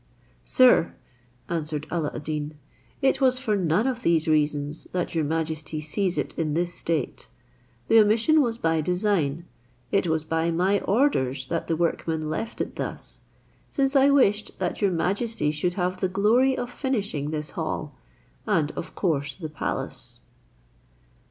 "Sir," answered Alla ad Deen, "it was for none of these reasons that your majesty sees it in this state. The omission was by design, it was by my orders that the workmen left it thus, since I wished that your majesty should have the glory of finishing this hall, and of course the palace."